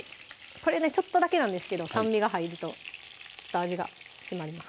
これねちょっとだけなんですけど酸味が入ると味が締まります